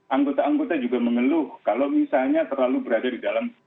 anggota anggota juga mengeluh kalau misalnya terlalu berada di dalam